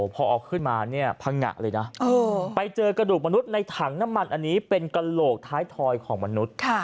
พอเอาขึ้นมาเนี่ยพังงะเลยนะไปเจอกระดูกมนุษย์ในถังน้ำมันอันนี้เป็นกระโหลกท้ายทอยของมนุษย์